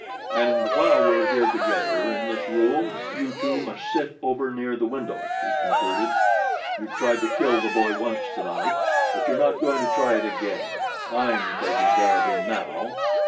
"And while we're here together in this room you two must sit over near the window," he concluded. "You've tried to kill the boy once to night; but you're not going to try it again I'm taking care of him now."